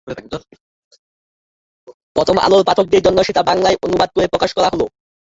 প্রথম আলোর পাঠকদের জন্য সেটা বাংলায় অনুবাদ করে প্রকাশ করা হলো।